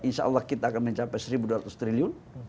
insya allah kita akan mencapai seribu dua ratus triliun